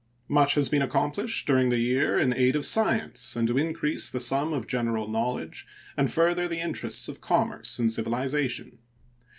Much has been accomplished during the year in aid of science and to increase the sum of general knowledge and further the interests of commerce and civilization.